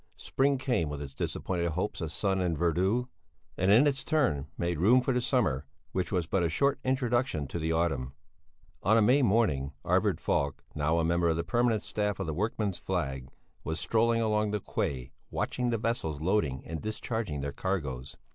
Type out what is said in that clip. Spring came with its disappointed hopes of sun and verdure, and in its turn made room for the summer which was but a short introduction to the autumn. On a May morning Arvid Falk, now a member of the permanent staff of the Workman's Flag, was strolling along the quay, watching the vessels loading and discharging their cargoes.